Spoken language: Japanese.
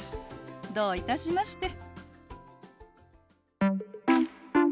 どういたしまして。